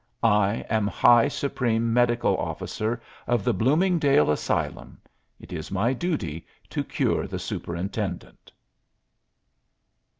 I am High Supreme Medical Officer of the Bloomingdale Asylum; it is my duty to cure the superintendent."